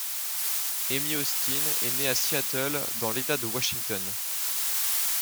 Amy Austin est née à Seattle dans l'État de Washington.